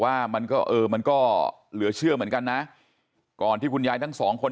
ว่ามันก็เออมันก็เหลือเชื่อเหมือนกันนะก่อนที่คุณยายทั้งสองคน